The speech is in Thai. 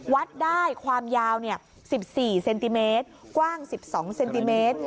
วัดได้ความยาว๑๔เซนติเมตรกว้าง๑๒เซนติเมตร